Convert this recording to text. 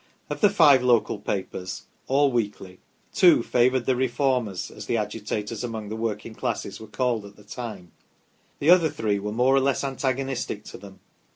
Of the five local papers, all weekly, two favoured the " Reformers," as the agitators among the working classes were called at the time ; the other three were more or less antagonistic to them.